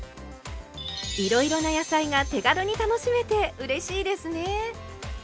いろいろな野菜が手軽に楽しめてうれしいですね。